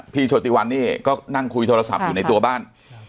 โชติวันนี่ก็นั่งคุยโทรศัพท์อยู่ในตัวบ้าน